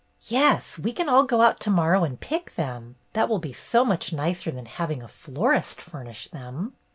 "Yes, we can all go out to morrow and pick them. That will be so much nicer than having a florist furnish them."